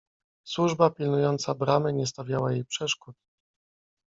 Służba pilnująca bramy nie stawiała jej przeszkód.